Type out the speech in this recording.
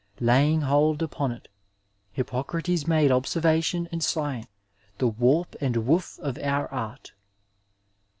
Laying hold upon it Hippo crates made observation and science the warp aijid woof of our art.